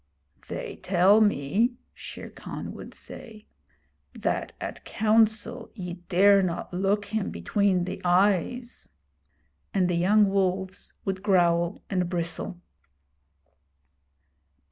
'They tell me,' Shere Khan would say, 'that at Council ye dare not look him between the eyes'; and the young wolves would growl and bristle.